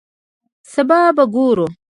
سبا به ګورو